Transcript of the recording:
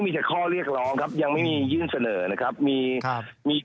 มีแต่ข้อเรียกร้องครับยังไม่มียื่นเสนอนะครับมีครับมี